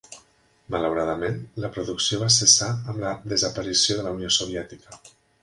Malauradament, la producció va cessar amb la desaparició de la Unió Soviètica.